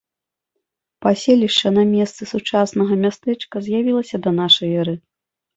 Паселішча на месцы сучаснага мястэчка з'явілася да нашай эры.